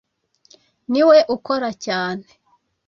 niwe ukora cyane